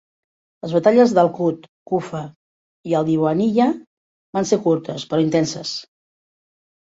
Les batalles d'Al Kut, Kufa i Al Diwaniyah van ser curtes, però intenses.